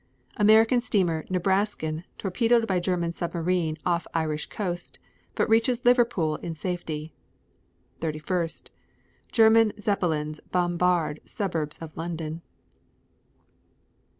American steamer Nebraskan torpedoed by German submarine off Irish coast, but reaches Liverpool in safety. 31. German Zeppelins bombard suburbs of London.